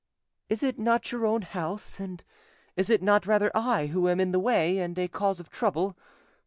"Is it not your own house, and is it not rather I who am in the way and a cause of trouble?